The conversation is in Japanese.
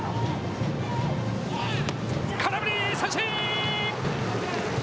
空振り三振！